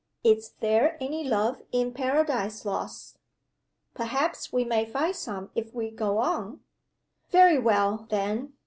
Is there any love in Paradise Lost?" "Perhaps we may find some if we go on." "Very well, then.